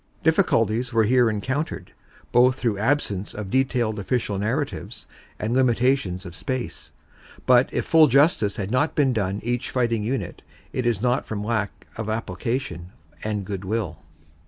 Difficulties were here encountered, both through absence of detailed official narratives and limitations of space, but if full justice has not been done each fighting unit, it is not from lack of application and goodwill.